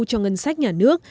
cho ngân sách nhà nước